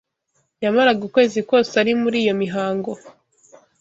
yamaraga ukwezi kose ari muri iyo mihango